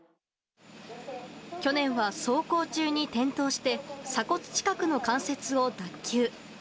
去年は、走行中に転倒して、鎖骨近くの関節を脱臼。